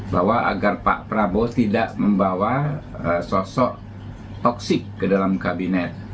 bahwa agar pak prabowo tidak membawa sosok toksik ke dalam kabinet